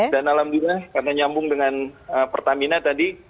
dan alhamdulillah karena nyambung dengan pertamina tadi